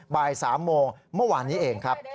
บ่าย๓โมงเมื่อวานนี้เองครับ